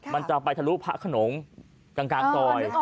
มันจะไปทะลุพระขนงกลางซอย